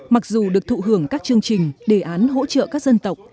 mặc dù được thụ hưởng các chương trình đề án hỗ trợ các dân tộc